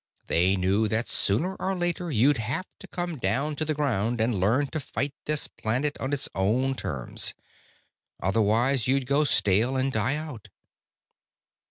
They knew that, sooner or later, you'd have to come down to the ground and learn to fight this planet on its own terms. Otherwise, you'd go stale and die out."